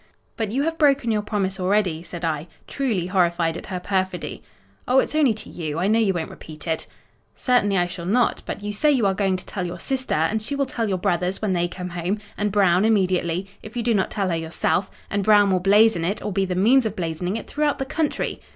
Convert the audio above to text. "But you have broken your promise already," said I, truly horrified at her perfidy. "Oh! it's only to you; I know you won't repeat it." "Certainly, I shall not: but you say you are going to tell your sister; and she will tell your brothers when they come home, and Brown immediately, if you do not tell her yourself; and Brown will blazon it, or be the means of blazoning it, throughout the country."